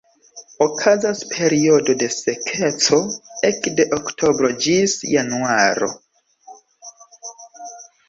Okazas periodo de sekeco ekde oktobro ĝis januaro.